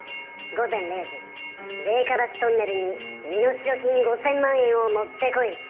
午前０時米花橋トンネルに身代金５０００万円を持って来い！